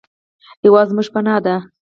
هېواد زموږ پناه دی